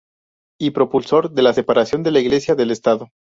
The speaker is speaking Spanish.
Y propulsor de la separación de la Iglesia del Estado.